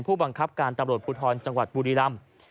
ผู้บังคับการตำรวจภูทรจังหวัดบุรีรำ